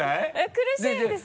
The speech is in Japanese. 苦しいです。